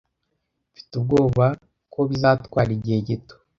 Mfite ubwoba ko bizatwara igihe gito.